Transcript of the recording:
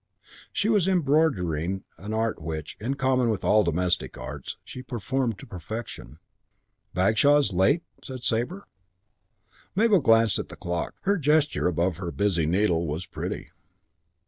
She was embroidering, an art which, in common with all the domestic arts, she performed to perfection. "Bagshaw's late?" said Sabre. Mabel glanced at the clock. Her gesture above her busy needle was pretty.